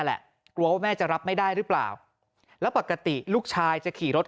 แหละกลัวว่าแม่จะรับไม่ได้หรือเปล่าแล้วปกติลูกชายจะขี่รถ